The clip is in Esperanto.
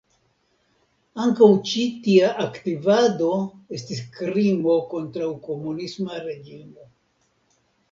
Ankaŭ ĉi tia aktivado estis krimo kontraŭ komunisma reĝimo.